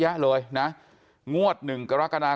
ความปลอดภัยของนายอภิรักษ์และครอบครัวด้วยซ้ำ